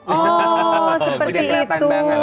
oh seperti itu